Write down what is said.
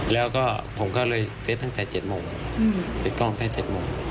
แล้วก็ผมก็เลยเซ็ตตั้งแต่๗โมงเซ็ตกล้องตั้งแต่๗โมง